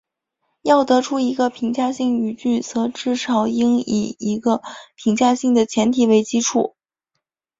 要得出一个评价性语句则至少应以一个评价性的前提为基础。